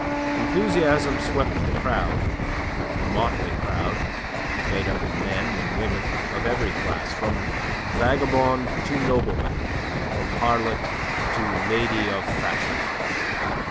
Enthusiasm swept the crowd, a motley crowd made up of men and women of every class, from vagabond to nobleman, from harlot to lady of fashion.